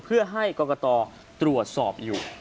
เพื่อให้กรกตตรวจสอบอยู่